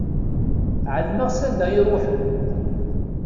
Ɛelmeɣ s anda i iruḥen.